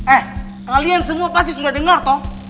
eh kalian semua pasti sudah dengar toh